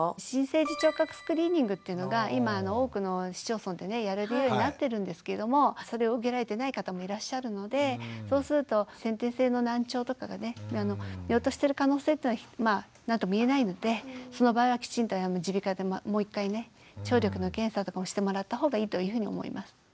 新生児聴覚スクリーニングっていうのが今多くの市町村でやれるようになってるんですけれどもそれを受けられてない方もいらっしゃるのでそうすると先天性の難聴とかがね見落としてる可能性というのはまあ何とも言えないのでその場合はきちんと耳鼻科でもう一回ね聴力の検査とかもしてもらった方がいいというふうに思います。